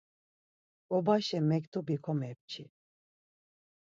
T̆ǩobaşe mektubi komepçi.